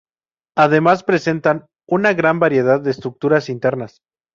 Además, presentan una gran variedad de estructuras internas.